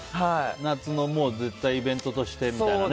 夏の絶対イベントとしてみたいなね。